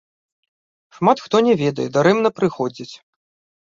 Шмат хто не ведае, дарэмна прыходзяць!